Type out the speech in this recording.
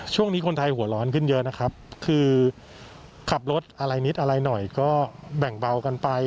ช่วงนี้คนไทยหัวร้อนขึ้นเยอะนะครับคือขับรถอะไรนิดอะไรหน่อยก็แบ่งเบากันไป